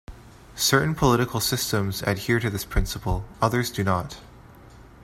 Certain political systems adhere to this principle, others do not.